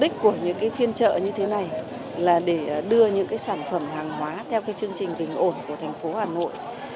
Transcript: các sản phẩm hàng hóa theo chương trình bình ổn của thành phố hà nội